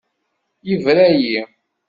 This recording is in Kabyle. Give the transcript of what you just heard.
Yebra-yi.